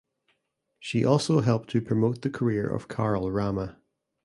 She also helped to promote the career of Carol Rama.